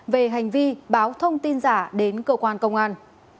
về hành vi báo thông tin giả đến cơ quan công an